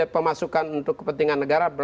pemasukan untuk kepentingan negara